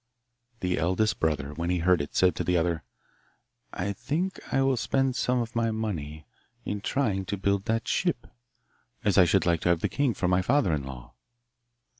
The eldest brother, when he heard it, said to the other, 'I think I will spend some of my money in trying to build that ship, as I should like to have the king for my father in law.